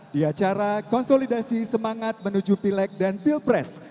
di acara konsolidasi semangat menuju pilek dan pilpres